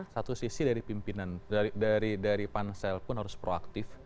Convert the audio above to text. satu sisi dari pimpinan dari pansel pun harus proaktif